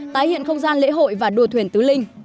tái hiện không gian lễ hội và đua thuyền tứ linh